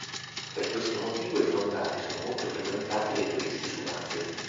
Per questo motivo i fondali sono molto frequentati dai turisti subacquei.